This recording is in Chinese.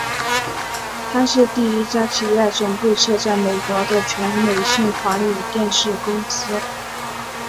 它是第一家企业总部设在美国的全美性华语电视公司。